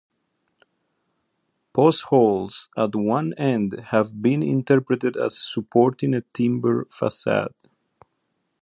Postholes at one end have been interpreted as supporting a timber facade.